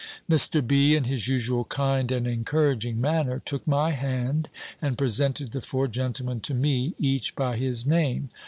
Mr. B., in his usual kind and encouraging manner, took my hand, and presented the four gentlemen to me, each by his name.